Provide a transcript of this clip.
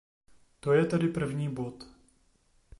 To je tedy první bod.